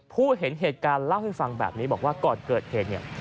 ผู้เห็นเหตุการณ์เล่าให้ฟังแบบนี้บอกว่าก่อนเกิดเหตุเนี่ย